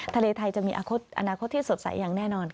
ทะเลไทยจะมีอนาคตที่สดใสอย่างแน่นอนค่ะ